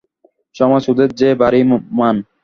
সমাজে ওদের যে ভারি মান।